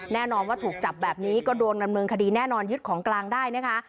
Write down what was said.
แน่นอนว่าถูกจับแบบนี้ก็โดนดำเนินคดีแน่นอนยึดของกลางได้นะคะ